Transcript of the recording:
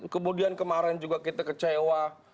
kemudian kemarin juga kita kecewa